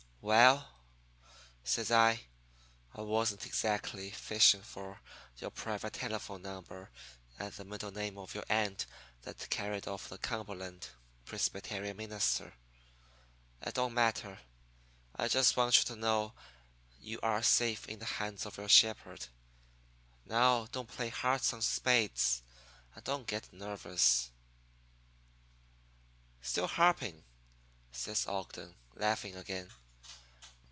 "'Well,' says I, 'I wasn't exactly fishing for your private telephone number and the middle name of your aunt that carried off the Cumberland Presbyterian minister. It don't matter. I just want you to know you are safe in the hands of your shepherd. Now, don't play hearts on spades, and don't get nervous.' "'Still harping,' says Ogden, laughing again.